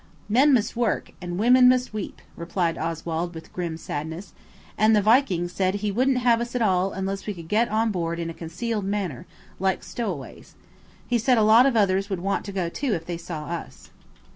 "Men must work, and women must weep," replied Oswald with grim sadness, "and the Viking said he wouldn't have us at all unless we could get on board in a concealed manner, like stowaways. He said a lot of others would want to go too if they saw us."